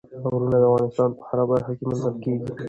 غرونه د افغانستان په هره برخه کې موندل کېږي.